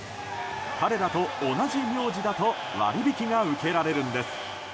彼らと同じ名字だと割り引きが受けられるんです。